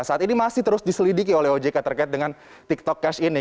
saat ini masih terus diselidiki oleh ojk terkait dengan tiktok cash ini